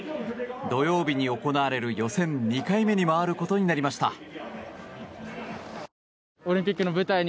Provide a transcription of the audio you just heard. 土曜日に行われる予選２回目に回ることになりました。